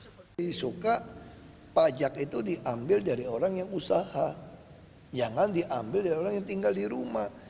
seperti suka pajak itu diambil dari orang yang usaha jangan diambil dari orang yang tinggal di rumah